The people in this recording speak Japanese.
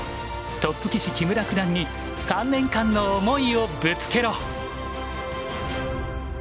トップ棋士木村九段に３年間の思いをぶつけろ。